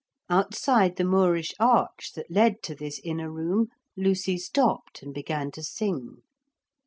Outside the moorish arch that led to this inner room Lucy stopped and began to sing.